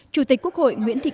chủ tịch quốc hội nguyễn thị kim